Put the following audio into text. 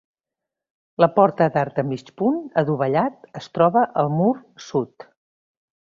La porta d'arc de mig punt adovellat es troba al mur sud.